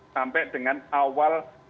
sampai dengan awal